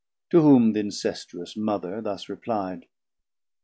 To whom th' incestuous Mother thus repli'd.